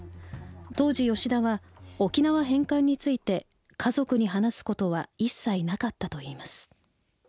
当時吉田は沖縄返還について家族に話すことは一切なかったといいます。